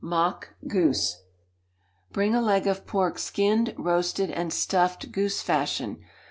Mock Goose (being a leg of pork skinned, roasted, and stuffed goose fashion).